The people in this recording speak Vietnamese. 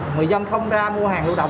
người dân không ra mua hàng lưu động